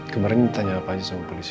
kemarin tanya apa aja sama polisi